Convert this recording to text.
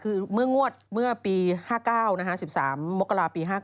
คือเมื่องวดเมื่อปี๕๙๑๓มกราปี๕๙